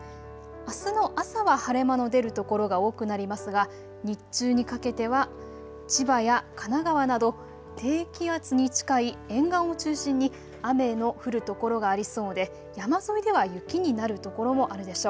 あすの朝は晴れ間の出る所が多くなりますが日中にかけては千葉や神奈川など低気圧に近い沿岸を中心に雨の降る所がありそうで山沿いでは雪になるところもあるでしょう。